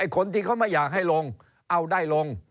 คนที่เขาไม่อยากให้ลงเอาได้ลง